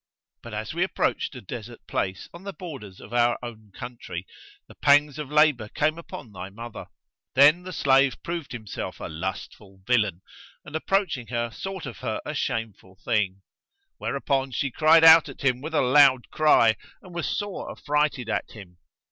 But as we approached a desert place on the borders of our own country, the pangs of labour came upon thy mother. Then the slave proved himself a lustful villain and approaching her sought of her a shameful thing; whereupon she cried out at him with a loud cry, and was sore affrighted at him.